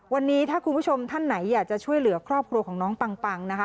วันนี้ถ้าคุณผู้ชมท่านไหนอยากจะช่วยเหลือครอบครัวของน้องปังนะคะ